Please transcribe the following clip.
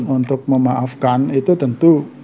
untuk memaafkan itu tentu